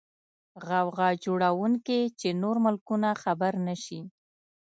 غوغا جوړه نکې چې نور ملکونه خبر نشي.